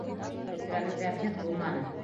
Тетрәнеүҙәрһеҙ булманы...